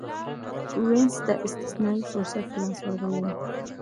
وینز ته استثنايي فرصت په لاس ورغلی و